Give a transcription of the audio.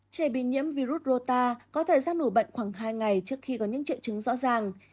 trẻ bị nhiễm virus rô ta có thời gian nủ bệnh khoảng hai ngày trước khi có những triệu chứng rõ ràng